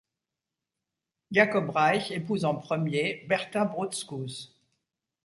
Jakob Reich épouse en premier Berta Brutzkus.